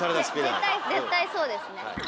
絶対絶対そうですね。